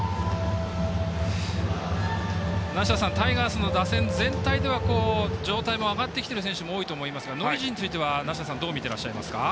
梨田さんタイガースの打線全体では状態も上がってきている選手も多いと思いますがノイジーについては梨田さんどう見てらっしゃいますか？